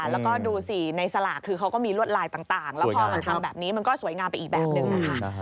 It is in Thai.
แล้วก็ดูสิในสลากคือเขาก็มีลวดลายต่างแล้วพอมันทำแบบนี้มันก็สวยงามไปอีกแบบหนึ่งนะคะ